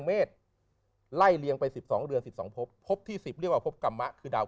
เมษไล่เลียงไป๑๒เดือน๑๒พบพบที่๑๐เรียกว่าพบกรรมะคือดาว